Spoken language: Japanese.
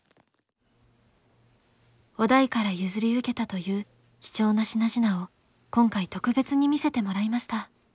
於大から譲り受けたという貴重な品々を今回特別に見せてもらいました。